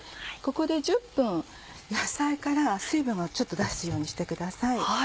ここで１０分野菜から水分をちょっと出すようにしてください。